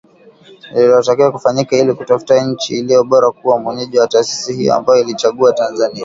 Lililotakiwa kufanyika ili kutafuta nchi iliyo bora kuwa mwenyeji wa taasisi hiyo, ambayo iliichagua Tanzania.